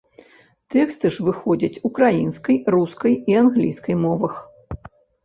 Тэксты ж выходзяць украінскай, рускай і англійскай мовах.